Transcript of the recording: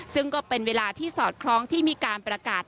ซึ่งก็เป็นเวลาที่สอดคล้องที่มีการประกาศ